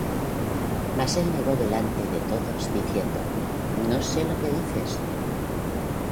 Mas él negó delante de todos, diciendo: No sé lo que dices.